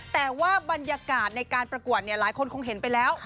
แต่ว่าบรรยากาศในการประกวดหลายคนคงเห็นไปแล้ว